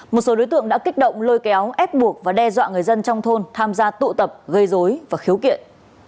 một số đối tượng đã kích động lôi kéo ép buộc và đe dọa người dân trong thôn tham gia tụ tập gây dối và khiếu kiện